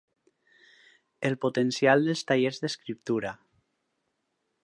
El potencial dels tallers d'escriptura.